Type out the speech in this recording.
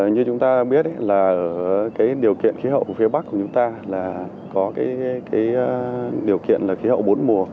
như chúng ta biết là ở cái điều kiện khí hậu phía bắc của chúng ta là có cái điều kiện là khí hậu bốn mùa